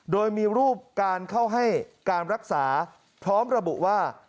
โดยมีรูปการเข้าให้การรักษาพร้อมระบุว่า